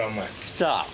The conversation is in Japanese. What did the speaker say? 来た。